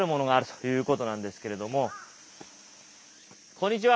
こんにちは！